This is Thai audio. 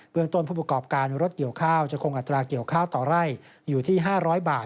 เมืองต้นผู้ประกอบการรถเกี่ยวข้าวจะคงอัตราเกี่ยวข้าวต่อไร่อยู่ที่๕๐๐บาท